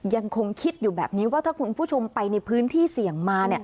ยังคงคิดอยู่แบบนี้ว่าถ้าคุณผู้ชมไปในพื้นที่เสี่ยงมา